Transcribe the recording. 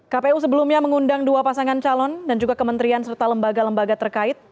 kpu sebelumnya mengundang dua pasangan calon dan juga kementerian serta lembaga lembaga terkait